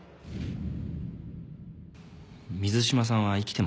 水島さんは生きてます。